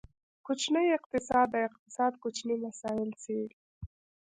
کوچنی اقتصاد، د اقتصاد کوچني مسایل څیړي.